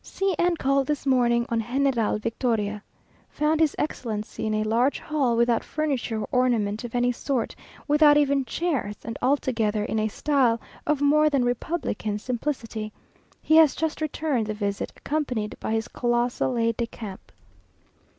C n called this morning on General Victoria. Found his excellency in a large hall without furniture or ornament of any sort, without even chairs, and altogether in a style of more than republican simplicity. He has just returned the visit, accompanied by his colossal aide de camp.